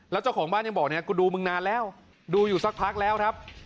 แล้วเจ้าของบ้านยังบอกเนี่ยกูดูมึงนานแล้วดูอยู่สักพักแล้วครับ